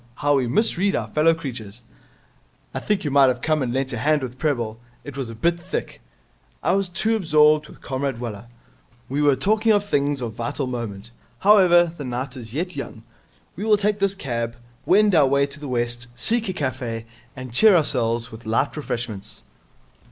How we misread our fellow creatures.' 'I think you might have come and lent a hand with Prebble. It was a bit thick.' 'I was too absorbed with Comrade Waller. We were talking of things of vital moment. However, the night is yet young. We will take this cab, wend our way to the West, seek a cafe, and cheer ourselves with light refreshments.'